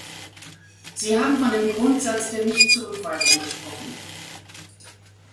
Sie haben von dem Grundsatz der Nichtzurückweisung gesprochen.